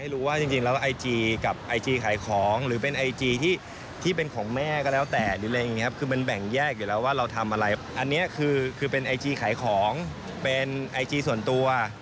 พูดตรงคือมันเป็นมุกที่แบบงงอ่ะ